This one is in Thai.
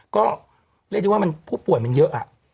ก็เรียกได้ว่าผู้ป่วยมันเยอะ